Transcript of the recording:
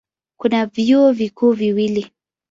Kuna vyuo vikuu viwili.